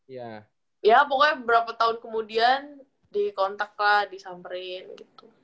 ya ya pokoknya beberapa tahun kemudian dikontak lah disamperin gitu